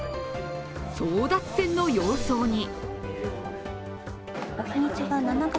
争奪戦の様相に。